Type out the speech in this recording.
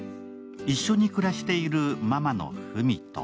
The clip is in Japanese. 一緒に暮らしているママの風海と